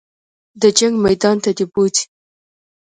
د جنګ میدان ته دې بوځي.